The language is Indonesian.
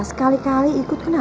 sekali kali ikut kenapa sih